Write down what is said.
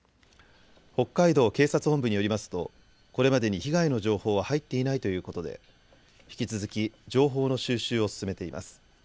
北海道警察本部によりますとこれまでに被害の情報は入っていないということで引き続き情報の収集を進めています。